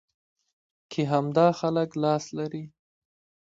کې همدا خلک لاس لري.